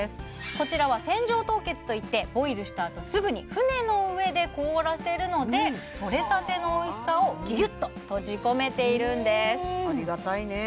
こちらは船上凍結といってボイルしたあとすぐに船の上で凍らせるのでをギュッと閉じ込めているんですありがたいねえ